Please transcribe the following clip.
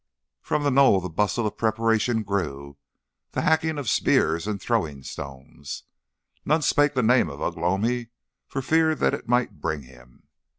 From the knoll the bustle of preparation grew, the hacking of spears and throwing stones. None spake the name of Ugh lomi for fear that it might bring him.